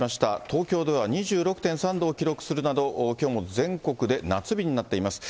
東京では２６．３度を記録するなど、きょうも全国で夏日になっています。